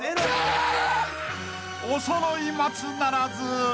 ［おそろい松ならず］